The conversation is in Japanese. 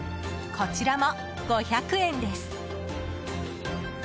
こちらも５００円です。